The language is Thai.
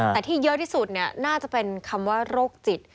แต่ที่เยอะที่สุดน่าจะเป็นคำว่าโรคจิต